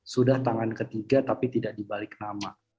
sudah tangan ketiga tapi tidak dibalik nama